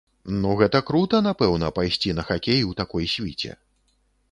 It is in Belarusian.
Ну гэта крута, напэўна, пайсці на хакей у такой свіце.